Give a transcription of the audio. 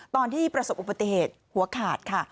ตอนที่ประสบอุบัติเหตุหัวขาดค่ะ